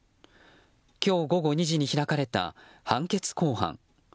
今日午後２時に開かれた判決公判。